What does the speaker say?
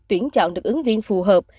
tuyển chọn được ứng viên phù hợp